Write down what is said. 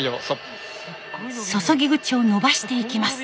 注ぎ口を伸ばしていきます。